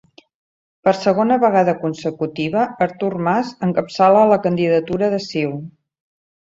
Per segona vegada consecutiva Artur Mas encapçala la candidatura de CiU.